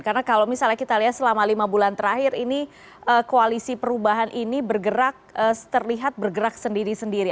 karena kalau misalnya kita lihat selama lima bulan terakhir ini koalisi perubahan ini bergerak terlihat bergerak sendiri sendiri